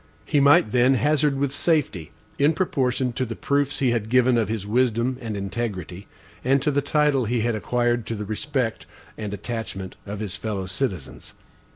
He might, then, hazard with safety, in proportion to the proofs he had given of his wisdom and integrity, and to the title he had acquired to the respect and attachment of his fellow citizens.